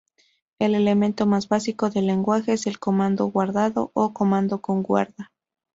El elemento más básico del lenguaje es el "comando guardado" o "comando con guarda".